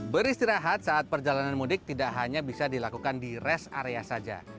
beristirahat saat perjalanan mudik tidak hanya bisa dilakukan di rest area saja